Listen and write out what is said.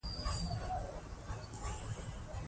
شفاف میکانیزم د ستونزو حل اسانه کوي.